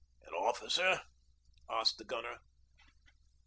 'An officer?' asked the gunner.